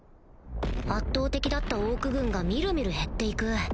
圧倒的だったオーク軍が見る見る減って行く